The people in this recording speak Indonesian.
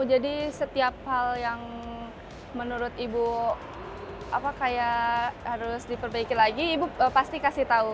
jadi setiap hal yang menurut ibu apa kayak harus diperbaiki lagi ibu pasti kasih tahu